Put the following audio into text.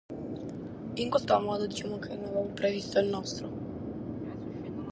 In tantu naramus deretu chi non previdit su cuorum.